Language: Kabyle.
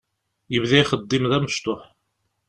Yebda ixeddim d amecṭuḥ.